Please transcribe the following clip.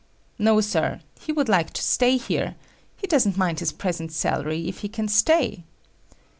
"No, Sir. He would like to stay here. He doesn't mind his present salary if he can stay."